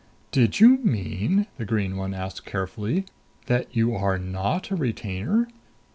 "Did you mean," the green one asked carefully, "that you are not a retainer?"